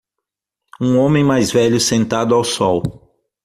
Um homem mais velho sentado ao sol.